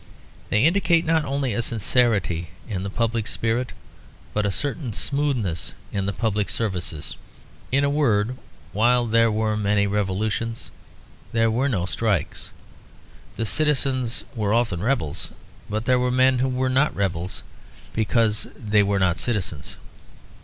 They indicate not only a sincerity in the public spirit, but a certain smoothness in the public services. In a word, while there were many revolutions, there were no strikes. The citizens were often rebels; but there were men who were not rebels, because they were not citizens.